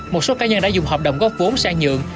một số cá nhân đã dùng hợp đồng góp vốn sang nhượng